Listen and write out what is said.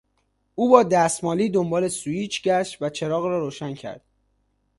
او با دست مالی دنبال سوییچ گشت و چراغ را روشن کرد.